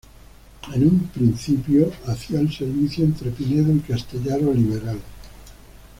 En un principio hacía el servicio entre Pinedo y Castellar-Oliveral.